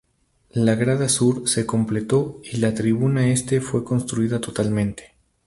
La grada sur se completó y la tribuna este fue construida totalmente.